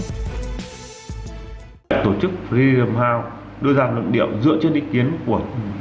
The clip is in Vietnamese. điều này là tổ chức freedom house đưa ra lượng điệu dựa trên ý kiến của